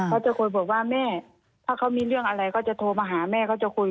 เขาจะคุยบอกว่าแม่ถ้าเขามีเรื่องอะไรเขาจะโทรมาหาแม่เขาจะคุย